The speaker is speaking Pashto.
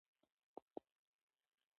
اداري دعوې د شخړو حل اسانه کوي.